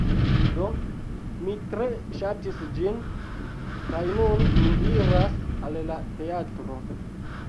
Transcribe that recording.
Do, mi tre ŝatis ĝin kaj nun ni iras al la teatro